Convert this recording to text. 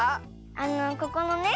あのここのね